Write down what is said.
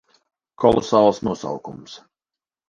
Kolosāls nosaukums.